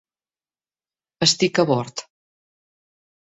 Estic a bord.